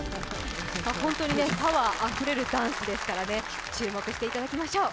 本当にパワーあふれるダンスですからね、注目していただきましょう。